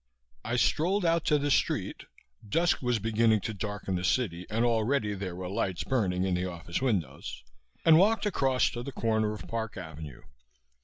I strolled out to the street dusk was beginning to darken the city and already there were lights burning in the office windows and walked across to the corner of Park Avenue.